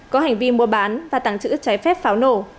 có hành vi mua bán và tàng trữ trái phép pháo nổ